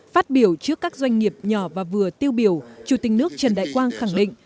phát biểu trước các doanh nghiệp nhỏ và vừa tiêu biểu chủ tịch nước trần đại quang khẳng định